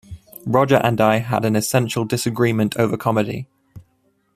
Roger and I had an essential disagreement over comedy.